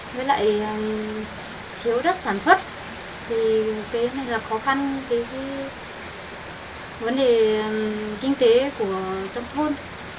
với lại thiếu đất sản xuất thì cái này là khó khăn cái vấn đề kinh tế của trong thôn